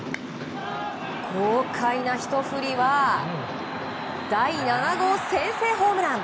豪快なひと振りは第７号先制ホームラン。